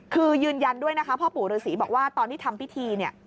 คือยืนยันด้วยนะคะพ่อปู่ฤษีบอกว่าตอนที่ทำพิธีเนี่ย